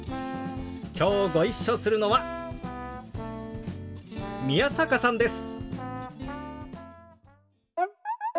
きょうご一緒するのは宮坂さんです。